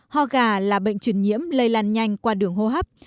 họ gà là bệnh chuyển nhiễm lây lan nhanh qua đường hô hấp